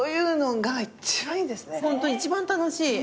ホント一番楽しい。